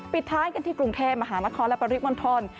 ปิดท้ายกันที่กรุงเทพมหานครและปริมณฑล